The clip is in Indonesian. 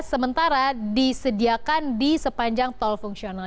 sementara disediakan di sepanjang tol fungsional